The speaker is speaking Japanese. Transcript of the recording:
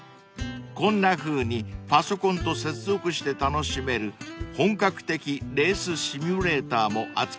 ［こんなふうにパソコンと接続して楽しめる本格的レースシミュレーターも扱っているんですって］